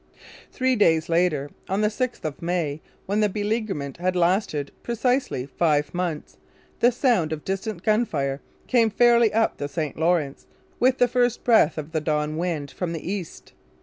Three days later, on the 6th of May, when the beleaguerment had lasted precisely five months, the sound of distant gunfire came faintly up the St Lawrence with the first breath of the dawn wind from the east.